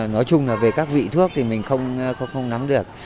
nói chung là về các vị thuốc thì mình không nắm được